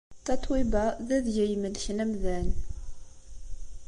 Tatoeba d adeg ay imellken amdan.